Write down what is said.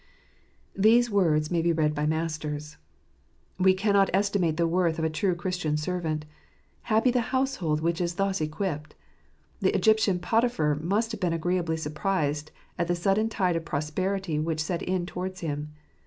These words may be read by masters. We cannot estimate the worth of a true Christian servant. Happy the house hold which is thus equipped! The Egyptian Potiphar must have been agreeably surprised at the sudden tide of prosperity which set in towards him.